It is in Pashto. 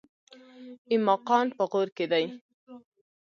ایماقان په غور کې دي؟